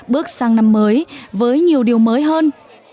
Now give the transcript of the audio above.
bước sang năm mới với nhiều điều mới hơn